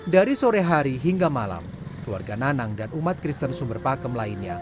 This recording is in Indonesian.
dari sore hari hingga malam keluarga nanang dan umat kristen sumber pakem lainnya